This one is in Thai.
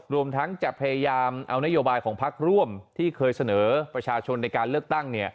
รวมทั้งจะพยายามเอานโยบายของพักร่วมที่เคยเสนอประชาชนในการเลือกตั้ง